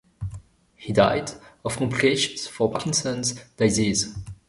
He died of complications from Parkinson's disease.